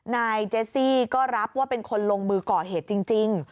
นายเจสซี่ก็รับว่าเป็นคนลงมือก่อเหตุจริง